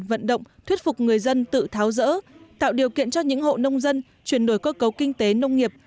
vận động thuyết phục người dân tự tháo rỡ tạo điều kiện cho những hộ nông dân chuyển đổi cơ cấu kinh tế nông nghiệp